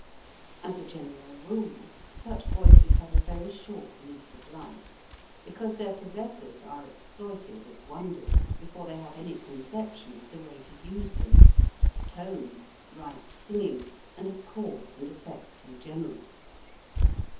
As a general rule such voices 171 172 HOW TO SING have a very short lease of life, because their possessors are exploited as wonders, before they have any conception of the way to use them, of tone, right singing, and of cause and effect in general.